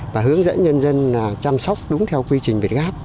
và hướng dẫn nhân dân chăm sóc đúng theo quy trình việt gáp